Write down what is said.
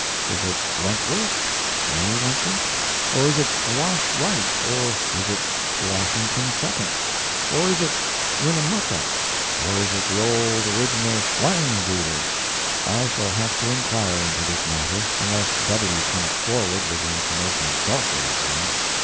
Is it Wentworth (May Wentworth? ) or is it Wash Wright? or is it Washington Second? or is it Winnemucca? or is it the old original Whangdoodle? I shall have to inquire into this matter, unless "W" comes forward with the information himself very soon.